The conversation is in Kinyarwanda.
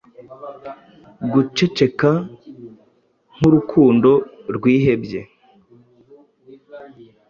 Guceceka nkurukundo rwihebye,